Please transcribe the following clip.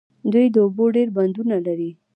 دوی د اوبو ډیر بندونه لري.